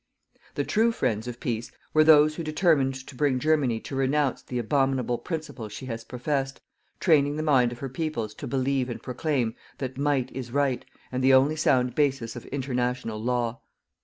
The TRUE friends of PEACE were those who determined to bring Germany to renounce the abominable principles she has professed, training the mind of her peoples to believe and proclaim that MIGHT is RIGHT and the only sound basis of INTERNATIONAL LAW.